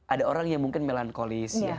ada orang yang mungkin melankolis